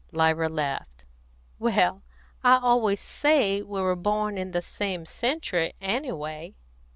Lyra laughed. "Well, I always say we were born in the same century, _any_way."